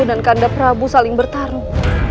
dan kandap prabu saling bertarung